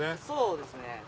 そうですね。